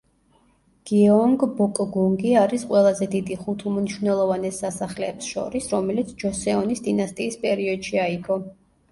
გიეონგბოკგუნგი არის ყველაზე დიდი ხუთ უმნიშვნელოვანეს სასახლეებს შორის, რომელიც ჯოსეონის დინასტიის პერიოდში აიგო.